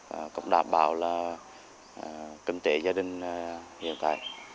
và cũng đảm bảo là kinh tế gia đình hiệu quả